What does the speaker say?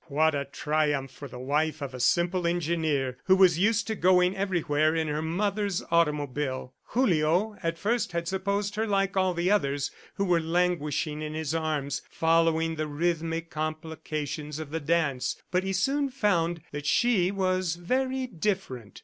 What a triumph for the wife of a simple engineer who was used to going everywhere in her mother's automobile! ... Julio at first had supposed her like all the others who were languishing in his arms, following the rhythmic complications of the dance, but he soon found that she was very different.